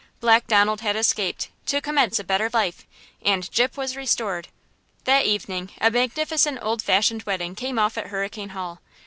Black Donald had escaped, to commence a better life, and Gyp was restored! That evening a magnificent old fashioned wedding came off at Hurricane Hall.